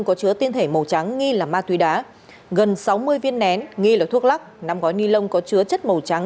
có chứa tiên thể màu trắng nghi là ma túy đá gần sáu mươi viên nén nghi là thuốc lắc năm gói nilon có chứa chất màu trắng